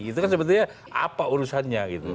itu kan sebetulnya apa urusannya gitu